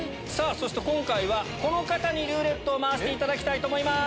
今回はこの方にルーレットを回していただきたいと思います。